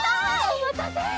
おまたせ！